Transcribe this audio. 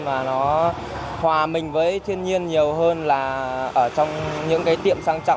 và nó hòa mình với thiên nhiên nhiều hơn là ở trong những cái tiệm sang trọng